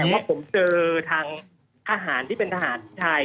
แต่ว่าผมเจอทางทหารที่เป็นทหารชาย